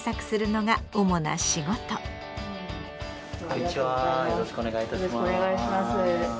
こんにちはよろしくお願いいたします。